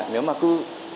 nếu mà cứ